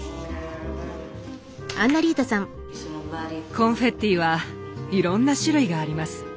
コンフェッティはいろんな種類があります。